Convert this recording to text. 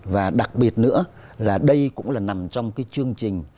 và đặc biệt nữa là đây cũng là nằm trong cái chương trình